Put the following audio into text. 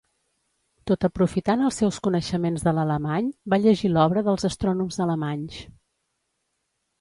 Tot aprofitant els seus coneixements de l'alemany, va llegir l'obra dels astrònoms alemanys.